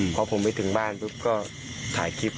พอผมไปถึงบ้านปุ๊บก็ถ่ายคลิป